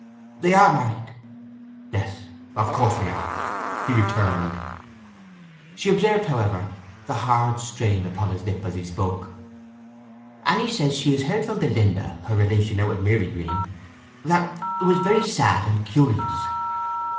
"They are married." "Yes—of course they are!" he returned. She observed, however, the hard strain upon his lip as he spoke. "Anny says she has heard from Belinda, her relation out at Marygreen, that it was very sad, and curious!"